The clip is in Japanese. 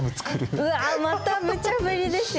うわまたむちゃ振りですよ。